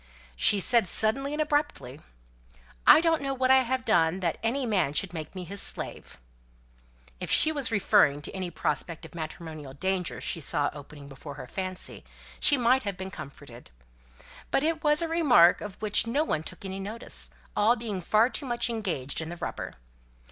She said suddenly and abruptly, "I don't know what I have done that any man should make me his slave." If she was referring to any prospect of matrimonial danger she saw opening before her fancy, she might have been comforted. But it was a remark of which no one took any notice, all being far too much engaged in the rubber.